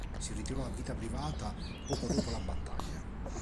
Si ritirò a vita privata poco dopo la battaglia.